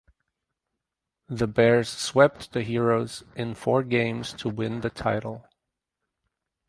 The Bears swept the Heroes in four games to win the title.